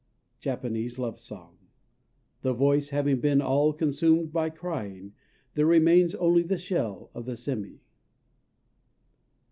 Japanese Love Song The voice having been all consumed by crying, there remains only the shell of the _sémi!